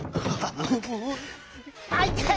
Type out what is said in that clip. あいたい！